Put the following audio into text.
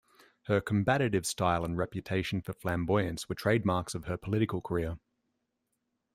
Her combative style and reputation for flamboyance were trademarks of her political career.